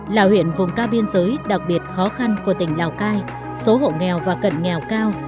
là huyện vùng cao biên giới đặc biệt khó khăn của tỉnh lào cai số hộ nghèo và cận nghèo cao